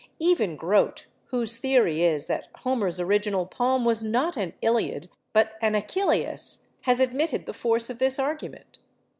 Even Grote, whose theory is that Homer's original poem was not an Iliad, but an Achilleis, has admitted the force of this argument.